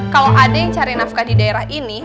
kalau ada yang cari nafkah di daerah ini